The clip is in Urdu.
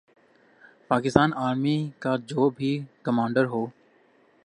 پاکستان آرمی کا جو بھی کمانڈر ہو۔